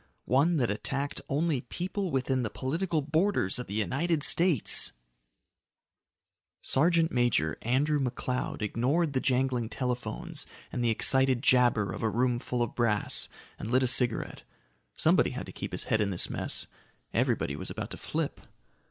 One that attacked only people within the political borders of the United States!_ Illustrated by Schoenherr Sergeant Major Andrew McCloud ignored the jangling telephones and the excited jabber of a room full of brass, and lit a cigarette. Somebody had to keep his head in this mess. Everybody was about to flip.